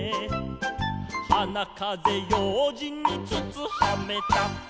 「はなかぜようじんにつつはめた」